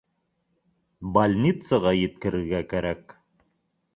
Больницаға еткерергә кәрәк